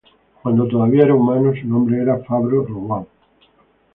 Cuando todavía era humano su nombre era Fabro Rowan.